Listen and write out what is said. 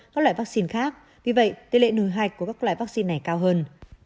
các loại vaccine khác vì vậy tỷ lệ nồi hạch của các loại vaccine này cao hơn